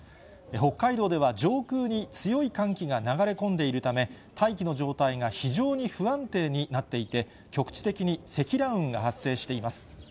北海道では上空に強い寒気が流れ込んでいるため、大気の状態が非常に不安定になっていて、局地的に積乱雲が発生しています。